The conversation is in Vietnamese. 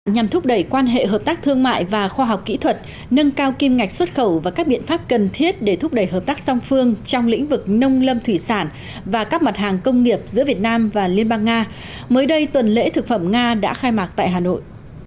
nhằm thúc đẩy quan hệ hợp tác thương mại và khoa học kỹ thuật nâng cao kim ngạch xuất khẩu và các biện pháp cần thiết để thúc đẩy hợp tác song phương trong lĩnh vực nông lâm thủy sản và các mặt hàng công nghiệp giữa việt nam và liên bang nga mới đây tuần lễ thực phẩm nga đã khai mạc tại hà nội